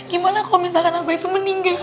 gimana kalau misalkan abah itu meninggal